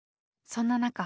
そんな中。